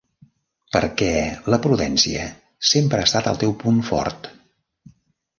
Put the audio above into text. Perquè la prudència sempre ha estat el teu punt fort.